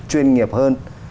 chuyên nghiệp hơn